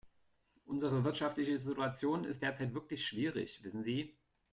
Unsere wirtschaftliche Situation ist derzeit wirklich schwierig, wissen Sie.